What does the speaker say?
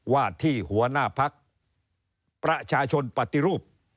ว่าที่หัวหน้าพักประชาชนปฏิรูป